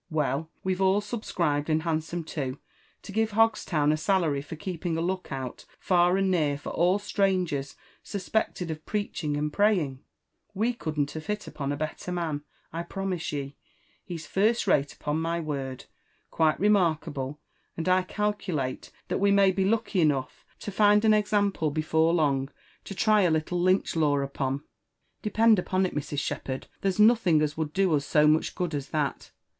Well, we've all subscribed and handsome too, to give Hogstown a salary for keeping a look out far and near for all strangers suspected of preaching and praying. We couldn't have hit upon a better man, I promise ye. He's firsl ralc, upon my word, quite remarkable, and I calculate that we may be lucky enough to find an example before long JONATHAN JEFFERSON WHITLAW. 261 to try a little Lynch law upon. Depend upon it, Mrs. Shepherd, there's nothing as would do us so much good as that.